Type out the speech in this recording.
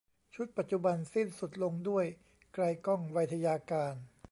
ชุดปัจจุบันสิ้นสุดลงด้วย ไกลก้อง ไวทยการ